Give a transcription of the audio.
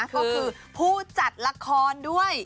ก็คือผู้จัดละครด้วย